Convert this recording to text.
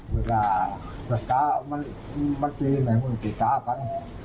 เวลากับเจ้ามันไปที่ท่ากัน